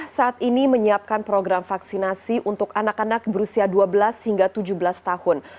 satgas ini menyiapkan program vaksinasi untuk anak anak berusia dua belas hingga tujuh belas tahun